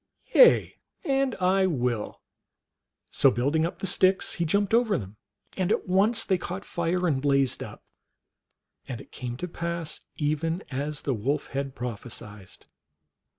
Yea, and I will !" So building up the sticks, he jumped over them, and at once they caught fire and blazed up, and it came to pass even as the Wolf had prophesied.